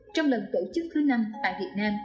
trong lần tổ chức thứ năm tại việt nam